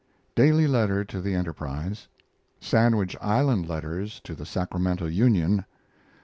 Daily letter to the Enterprise. Sandwich Island letters to the Sacramento Union.